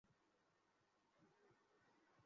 এই উপর ওয়ালা!